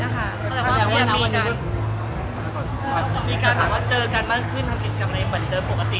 มีการเจอกันมากขึ้นทำกิจกรรมในบริเวณปกติ